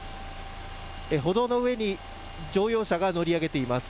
歩道の上に乗用車が乗り上げています。